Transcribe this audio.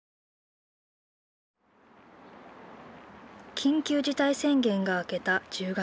緊急事態宣言が明けた１０月。